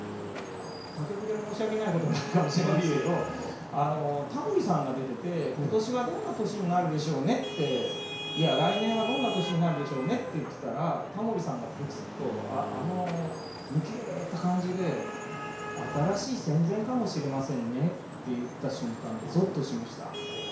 他局で申し訳ないことになるかもしれないですけどタモリさんが出てて「今年はどんな年になるでしょうね」っていや「来年はどんな年になるでしょうね」って言ってたらタモリさんがポツッとあの抜けた感じで「新しい戦前かもしれませんね」って言った瞬間ゾッとしました。